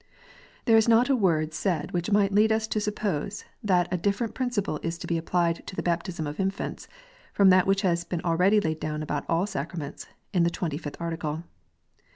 There is not a word said which might lead us to suppose that a different principle is to be applied to the baptism of infants, from that which has been already laid down about all sacraments, in the Twenty fifth Article.